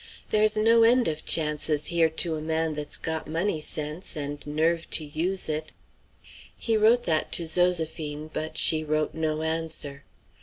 There's no end of chances here to a man that's got money sense, and nerve to use it." He wrote that to Zoséphine, but she wrote no answer.